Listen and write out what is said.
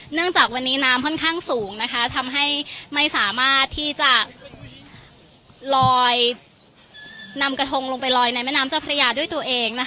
เนื่องจากวันนี้น้ำค่อนข้างสูงนะคะทำให้ไม่สามารถที่จะลอยนำระทงลงไปลอยนี่ในน้ำสอบพระยาด้วยตัวเอง